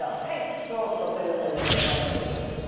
今日育てる野菜を目の前に用意いたしました。